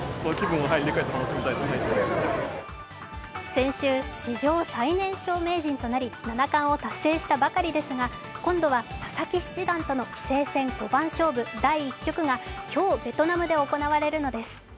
先週、史上最年少名人となり七冠を達成したばかりですが今度は佐々木七段との棋聖戦五番勝負第１局が今日、ベトナムで行われるのです。